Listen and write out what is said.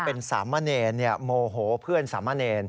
เป็นสามเณรโมโหเพื่อนสามะเนร